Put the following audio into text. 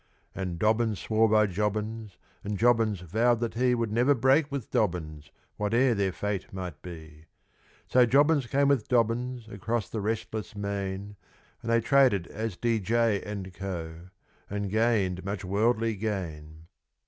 And Dobbins swore by Jobbins, and Jobbins vowed that he Would never break with Dobbins, whate'er their fate might be, So Jobbins came with Dobbins across the restless main, And they traded as D., J. & Co., and gained much worldly gain.